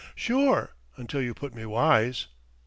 "Sure, until you put me wise."